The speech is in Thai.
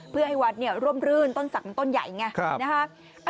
เพื่อให้วัดร่มรื่นต้นศักดิมันต้นใหญ่ไงนะฮะ